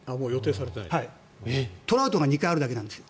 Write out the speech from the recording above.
トラウトが２回あるだけなんです。